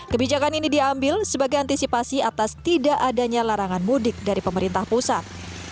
kebijakan ini diambil sebagai antisipasi atas tidak adanya larangan mudik dari pemerintah pusat